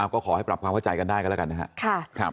ก็ขอให้ปรับความเข้าใจกันได้กันแล้วกันนะครับ